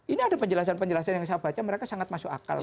ini ada penjelasan penjelasan yang saya baca mereka sangat masuk akal